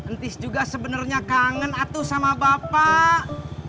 entis juga sebenarnya kangen atuh sama bapak